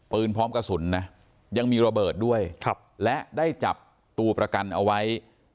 พร้อมกระสุนนะยังมีระเบิดด้วยและได้จับตัวประกันเอาไว้